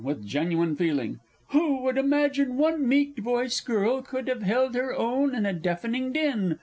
(with genuine feeling). Who would imagine one meek voiced girl could have held her own in a deafening din!